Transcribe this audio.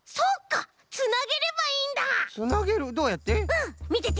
うんみてて！